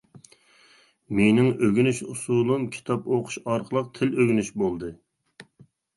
مىنىڭ ئۆگىنىش ئۇسۇلۇم كىتاب ئۇقۇش ئارقىلىق تىل ئۆگىنىش بولدى.